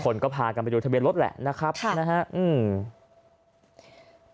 คนก็พากันไปดูทะเบียนรถแหละนะครับค่ะนะฮะอืม